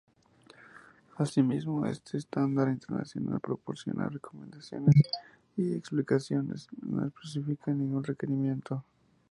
Asimismo, este Estándar Internacional proporciona recomendaciones y explicaciones, no especifica ningún requerimiento.